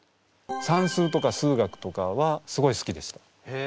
算数とか数学とかはすごい好きでした。